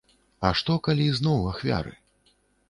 А што, калі зноў ахвяры?